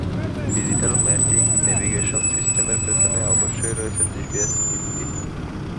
Digital mapping navigation সিস্টেমের পেছনে অবশ্যই রয়েছে জিপিএস ভিত্তি।